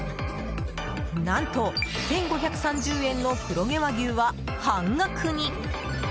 何と１５３０円の黒毛和牛は半額に。